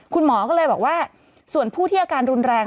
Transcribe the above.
คุณหมอก็เลยบอกว่าส่วนผู้ที่อาการรุนแรง